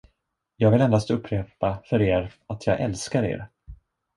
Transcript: Jag vill endast upprepa för er, att jag älskar er.